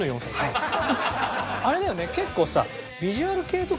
あれだよね結構さ。